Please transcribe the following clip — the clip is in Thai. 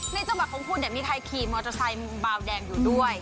ในจังหวัดของคุณเนี่ยมีใครขี่มอเตอร์ไซค์มุมบาวแดงอยู่ด้วย